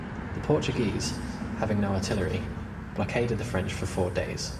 The Portuguese, having no artillery, blockaded the French for four days.